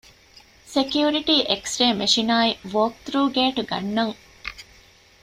ސެކިޔުރިޓީ އެކްސްރޭ މެޝިނާއި ވޯކްތުރޫ ގޭޓް ގަންނަން